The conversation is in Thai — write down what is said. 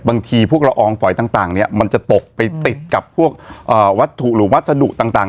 บางทีพวกละอองฝอยต่างเนี่ยมันจะตกไปติดกับพวกวัตถุหรือวัสดุต่าง